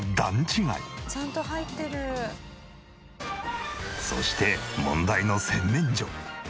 「ちゃんと入ってる」そして問題の洗面所。